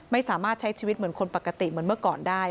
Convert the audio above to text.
ไม่สามารถใช้ชีวิตเหมือนคนปกติเหมือนเมื่อก่อนได้